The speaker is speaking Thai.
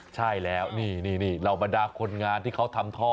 ใช่แล้วนี่เหล่าบรรดาคนงานที่เขาทำท่อ